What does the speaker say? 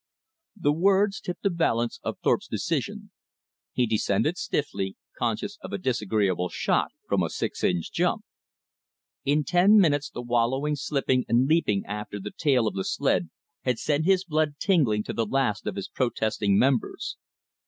The words tipped the balance of Thorpe's decision. He descended stiffly, conscious of a disagreeable shock from a six inch jump. In ten minutes, the wallowing, slipping, and leaping after the tail of the sled had sent his blood tingling to the last of his protesting members.